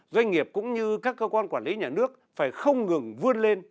doanh nghiệp cũng như các cơ quan quản lý nhà nước phải không ngừng vươn lên